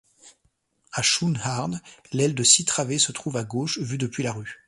À Schoonaarde, l’aile de six travées se trouve à gauche, vu depuis la rue.